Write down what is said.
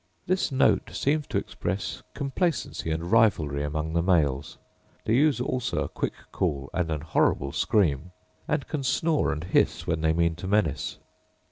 This note seems to express complacency and rivalry among the males: they use also a quick call and an horrible scream; and can snore and hiss when they mean to menace.